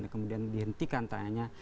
kemudian dihentikan tanya nya